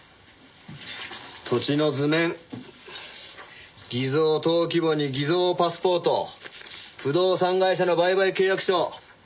土地の図面偽造登記簿に偽造パスポート不動産会社の売買契約書。